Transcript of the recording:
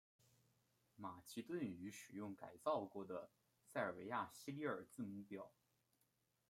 马其顿语使用改造过的塞尔维亚西里尔字母表。